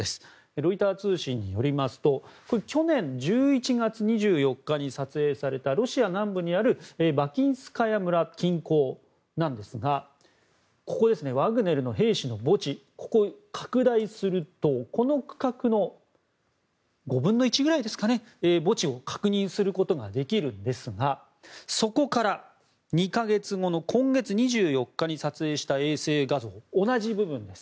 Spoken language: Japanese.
ロイター通信によりますと去年１１月２４日に撮影された、ロシア南部にあるバキンスカヤ村近郊ですがワグネルの兵士の墓地拡大すると、この区画の５分の１ぐらいですかね墓地を確認することができるんですがそこから２か月後の今月２４日に撮影した衛星画像同じ部分です。